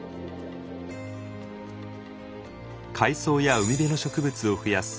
海藻や海辺の植物を増やす